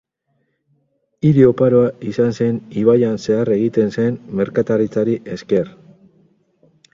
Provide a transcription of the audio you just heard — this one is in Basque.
Hiri oparoa izan zen ibaian zehar egiten zen merkataritzari esker.